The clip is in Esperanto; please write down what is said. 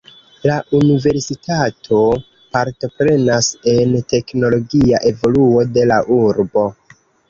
La universitato partoprenas en teknologia evoluo de la urbo.